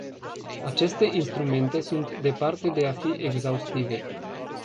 Aceste instrumente sunt departe de a fi exhaustive.